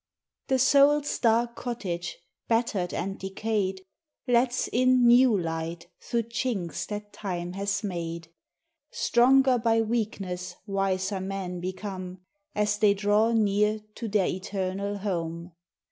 The soul's dark cottage, battered and decayed, Lets in new light through chinks that time has made : Stronger by weakness, wiser men become, As they draw near to their eternal home.